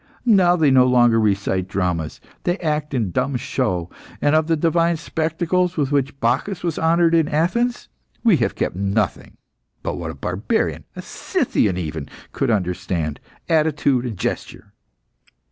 Now they no longer recite dramas, they act in dumb show; and of the divine spectacles with which Bacchus was honoured in Athens, we have kept nothing but what a barbarian a Scythian even could understand attitude and gesture.